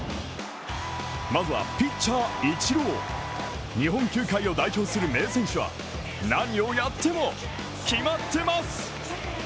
まずはピッチャー・イチロー日本球界を代表する名選手は何をやっても決まってます。